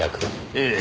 ええ。